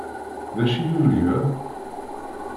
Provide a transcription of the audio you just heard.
D acu i yurga?